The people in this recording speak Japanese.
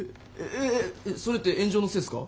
それって炎上のせいすか？